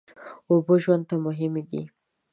اوبه ژوند ته مهمې دي.